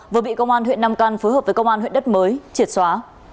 vừa bị công an huyện nam căn phối hợp với công an huyện đất mới triệt xóa